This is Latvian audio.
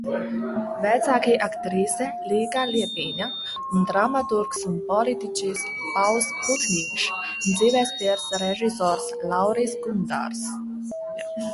Vecāki aktrise Līga Liepiņa un dramaturgs un politiķis Pauls Putniņš, dzīvesbiedrs režisors Lauris Gundars.